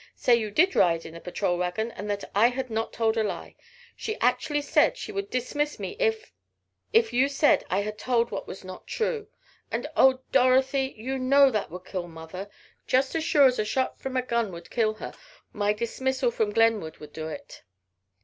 Say you did ride in the patrol wagon and that I had not told a lie. She actually said she would dismiss me if if you said I had told what was not true. And oh, Dorothy! You know that would kill mother! Just as sure as a shot from a gun would kill her, my dismissal from Glenwood would do it!"